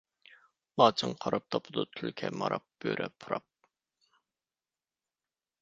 لاچىن قاراپ تاپىدۇ، تۈلكە ماراپ، بۆرە پۇراپ.